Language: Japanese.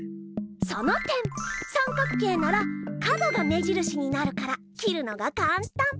その点さんかく形なら角が目じるしになるから切るのがかんたん。